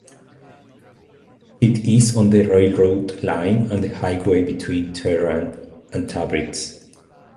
It is on the railroad line and the highway between Tehran and Tabriz.